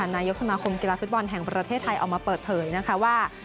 นายกสมาคมกีฬาฟุตบอลแห่งประเทศไทยออกมาเปิดเผยนะคะว่า